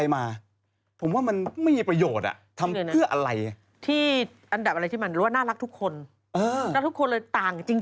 น่ารักทุกคนเลยต่างจริง